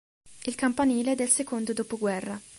Il campanile è del secondo dopoguerra.